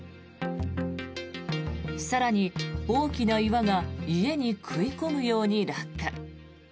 更に、大きな岩が家に食い込むように落下。